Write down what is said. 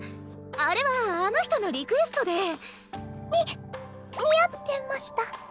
あれはあの人のリクエストで。に似合ってました！